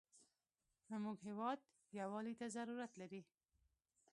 زموږ هېواد یوالي ته ضرورت لري.